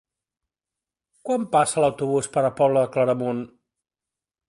Quan passa l'autobús per la Pobla de Claramunt?